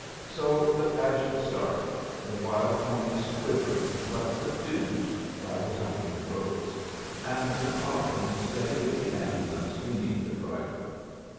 So the pageant started the wild ponies quivering but subdued by the tightened ropes, and the coffin steady in the ambulance beneath the driver.